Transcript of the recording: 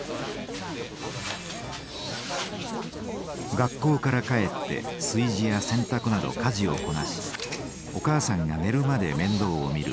学校から帰って炊事や洗濯など家事をこなしお母さんが寝るまで面倒をみる